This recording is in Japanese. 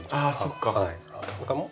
あそっか。